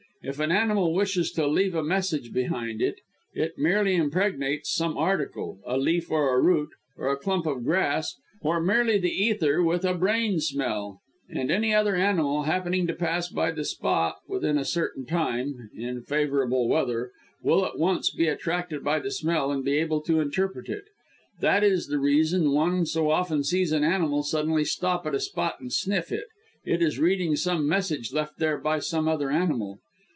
If an animal wishes to leave a message behind it, it merely impregnates some article a leaf or a root, or a clump of grass or merely the ether with a brain smell, and any other animal, happening to pass by the spot, within a certain time (in favourable weather), will at once be attracted by the smell, and be able to interpret it. That is the reason one so often sees an animal suddenly stop at a spot and sniff it it is reading some message left there by some other animal.